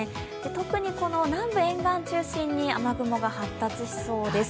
特に南部沿岸中心に雨雲が発達しそうです。